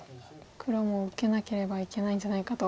黒も受けなければいけないんじゃないかと。